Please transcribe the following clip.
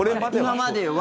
今までは。